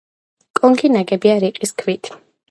კონქი ნაგებია რიყის ქვით.